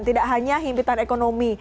tidak hanya himpitan ekonomi